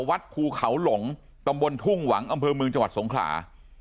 วัดภูเขาหลงตำบลทุ่งหวังอำเภอเมืองจังหวัดสงขลา